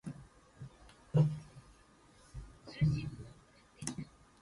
He departed the club months later.